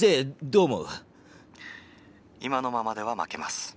「今のままでは負けます。